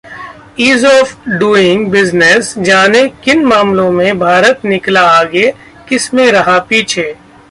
ease of doing business: जानें किन मामलों में भारत निकला आगे, किसमें रहा पीछे